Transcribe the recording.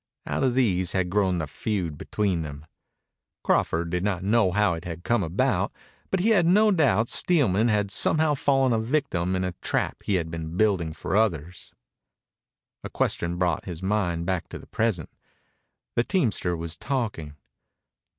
Out of these had grown the feud between them. Crawford did not know how it had come about, but he had no doubt Steelman had somehow fallen a victim in the trap he had been building for others. A question brought his mind back to the present. The teamster was talking